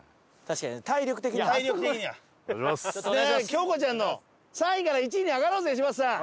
京子ちゃんの３位から１位に上がろうぜ柴田さん！